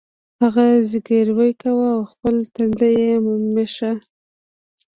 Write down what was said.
هغه زګیروی کاوه او خپل تندی یې مښه